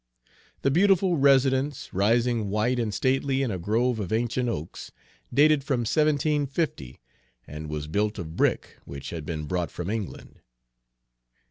The beautiful residence, rising white and stately in a grove of ancient oaks, dated from 1750, and was built of brick which had been brought from England.